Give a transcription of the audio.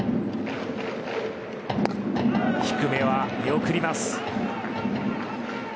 低めは見送ります。